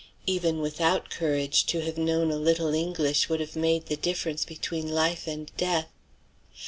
Even without courage, to have known a little English would have made the difference between life and death.